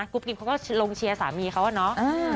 กรุ๊ปกลิ่มเขาก็ลงเชียร์สามีเขาอะเนอะ